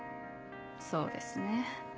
そうですねぇ。